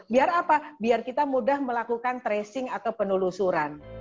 biar apa biar kita mudah melakukan tracing atau penelusuran